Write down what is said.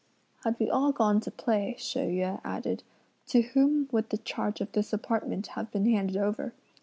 "Had we all gone to play," She Yüeh added, "to whom would the charge of this apartment have been handed over?